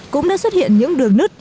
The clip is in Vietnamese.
cũng đã xuất hiện những đường nứt